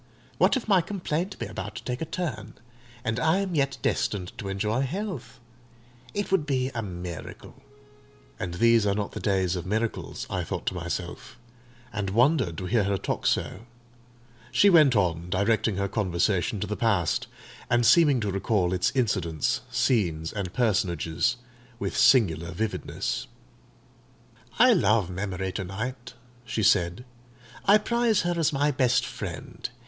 What if my complaint be about to take a turn, and I am yet destined to enjoy health? It would be a miracle!" "And these are not the days of miracles," I thought to myself, and wondered to hear her talk so. She went on directing her conversation to the past, and seeming to recall its incidents, scenes, and personages, with singular vividness. "I love Memory to night," she said: "I prize her as my best friend.